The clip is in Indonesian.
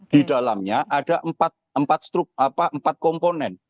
di dalamnya ada empat komponen